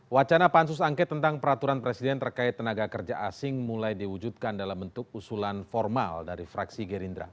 wacana pansus angket tentang peraturan presiden terkait tenaga kerja asing mulai diwujudkan dalam bentuk usulan formal dari fraksi gerindra